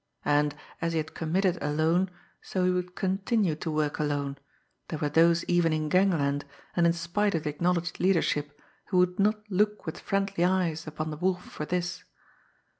And, as he had committed alone, so he would continue to work alone, there were those even in gangland, and in spite of the acknowledged leadership, who would not look with friendly eyes upon the Wolf for this!